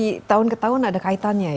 jadi tahun ke tahun ada kaitannya ya